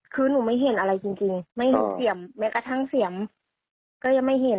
คือหนูไม่เห็นอะไรจริงไม่รู้เสี่ยมแม้กระทั่งเสียงก็ยังไม่เห็น